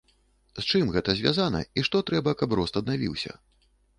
З чым гэта звязана, і што трэба, каб рост аднавіўся?